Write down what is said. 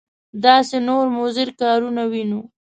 داسې نور مضر کارونه وینو.